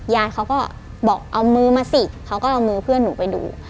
ยายเขาก็บอกเอามือมาสิเขาก็เอามือเพื่อนหนูไปดู